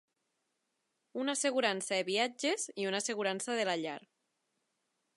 Una assegurança de viatges i una assegurança de la llar.